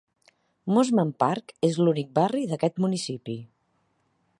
Mosman Park és l'únic barri d'aquest municipi.